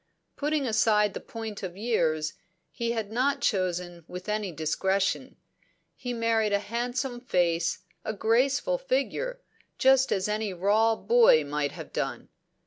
Putting aside the point of years, he had not chosen with any discretion; he married a handsome face, a graceful figure, just as any raw boy might have done.